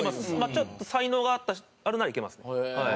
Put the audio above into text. ちょっと才能があるならいけますね。